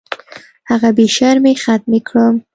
هغه بې شرمۍ ختمې کړم.